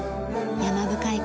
山深い